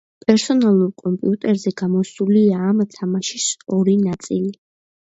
პერსონალურ კომპიუტერზე გამოსულია ამ თამაშის ორი ნაწილი.